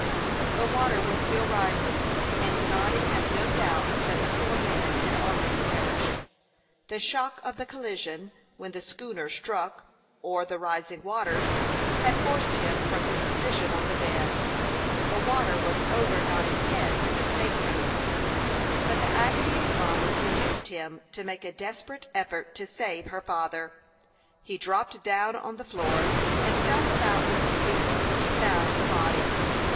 The water was still rising, and Noddy had no doubt that the poor man had already perished. The shock of the collision when the schooner struck, or the rising waters, had forced him from his position on the bed. The water was over Noddy's head in the state room; but the agony of Mollie induced him to make a desperate effort to save her father. He dropped down on the floor, and felt about with his feet, till he found the body.